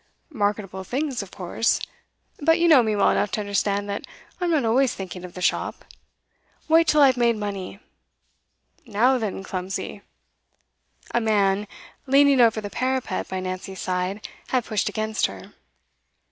'Marketable things, of course. But you know me well enough to understand that I'm not always thinking of the shop. Wait till I've made money. Now then, clumsy!' A man, leaning over the parapet by Nancy's side, had pushed against her.